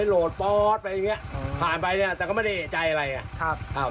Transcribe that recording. โหลดปอดไปอย่างเงี้ยผ่านไปเนี้ยแต่ก็ไม่ได้เอกใจอะไรอ่ะครับอ่า